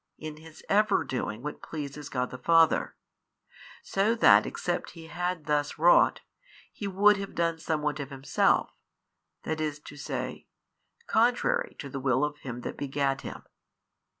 in His ever doing what pleases God the Father, so that except He had thus wrought, He would have done somewhat of Himself, i.e., contrary to the Will of Him That begat Him.